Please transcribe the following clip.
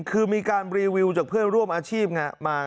คือมีการรีวิวจากเพื่อนร่วมอาชีพไง